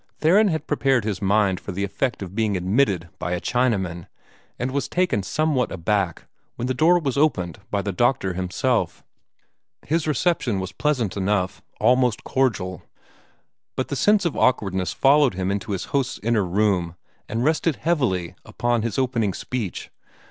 Theron had prepared his mind for the effect of being admitted by a Chinaman, and was taken somewhat aback when the door was opened by the doctor himself. His reception was pleasant enough, almost cordial, but the sense of awkwardness followed him into his host's inner room and rested heavily upon his opening speech.